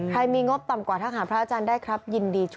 มีงบต่ำกว่าทหารพระอาจารย์ได้ครับยินดีช่วย